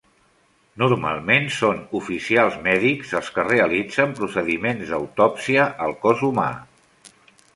Normalment són oficials mèdics els que realitzen procediments d'autòpsia al cos humà.